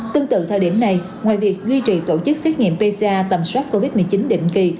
tương tự thời điểm này ngoài việc duy trì tổ chức xét nghiệm pc tầm soát covid một mươi chín định kỳ